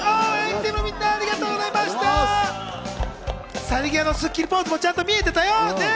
去り際の『スッキリ』ポーズもちゃんと見えてたよ！